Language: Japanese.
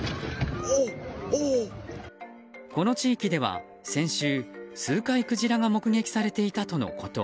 この地域では先週、数回クジラが目撃されていたとのこと。